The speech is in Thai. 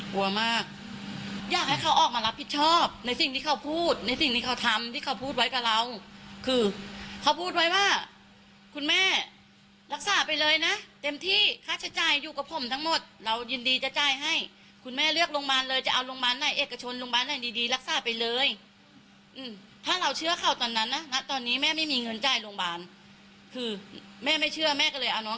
กลัวมากอยากให้เขาออกมารับผิดชอบในสิ่งที่เขาพูดในสิ่งที่เขาทำที่เขาพูดไว้กับเราคือเขาพูดไว้ว่าคุณแม่รักษาไปเลยนะเต็มที่ค่าใช้จ่ายอยู่กับผมทั้งหมดเรายินดีจะจ่ายให้คุณแม่เลือกโรงพยาบาลเลยจะเอาโรงพยาบาลไหนเอกชนโรงพยาบาลไหนดีดีรักษาไปเลยถ้าเราเชื่อเขาตอนนั้นนะณตอนนี้แม่ไม่มีเงินจ่ายโรงพยาบาลคือแม่ไม่เชื่อแม่ก็เลยเอาน้อง